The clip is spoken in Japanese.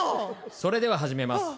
それでは始めます